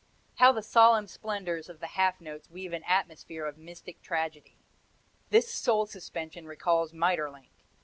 How the solemn splendors of the half notes weave an atmosphere of mystic tragedy! This soul suspension recalls Maeterlinck.